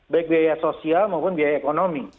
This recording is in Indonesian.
baik biaya sosial maupun biaya ekonomi